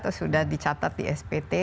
atau sudah dicatat di spt